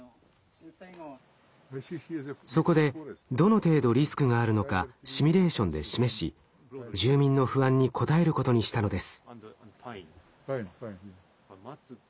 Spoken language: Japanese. そこでどの程度リスクがあるのかシミュレーションで示し住民の不安に応えることにしたのです。